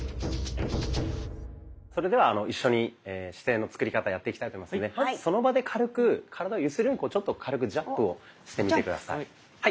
それでは一緒に姿勢の作り方やっていきたいと思いますのでまずその場で軽く体を揺するようにちょっと軽くジャンプをしてみて下さい。